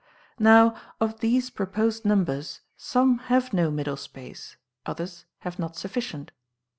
Now of these proposed numbers, some have no middle space, others have not sufficient.